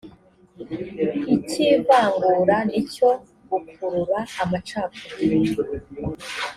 icy ivangura n icyo gukurura amacakubiri